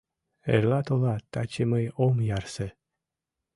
Эрла толат: таче мый ом ярсе.